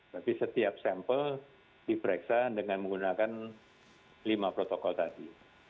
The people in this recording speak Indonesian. tapi setiap sampel diperiksa dengan menggunakan lima protokol tadi